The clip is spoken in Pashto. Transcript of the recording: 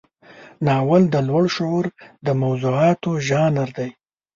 ناول د لوړ شعور د موضوعاتو ژانر دی.